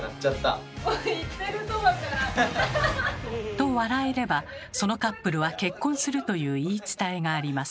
と笑えればそのカップルは結婚するという言い伝えがあります。